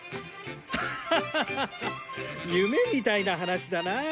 ハハハハ夢みたいな話だなあ。